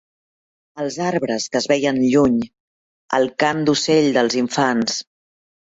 Els arbres que es veien lluny, el cant d'ocell dels infants